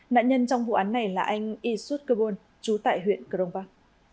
nạn nhân trong vụ án này là anh isud kebon chú tại huyện cờ rông bắc